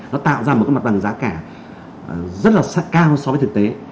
nó tạo ra một cái mặt bằng giá cả rất là sát cao so với thực tế